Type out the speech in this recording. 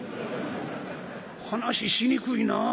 「話しにくいな。